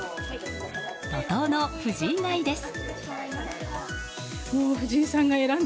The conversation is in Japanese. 怒涛の藤井買いです。